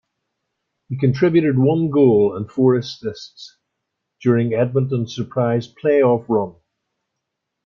He contributed one goal and four assists during Edmonton's surprise playoff run.